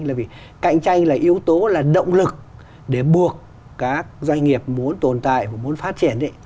là vì cạnh tranh là yếu tố là động lực để buộc các doanh nghiệp muốn tồn tại và muốn phát triển